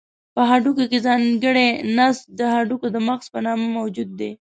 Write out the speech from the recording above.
په هډوکو کې ځانګړی نسج د هډوکو د مغزو په نامه موجود دی.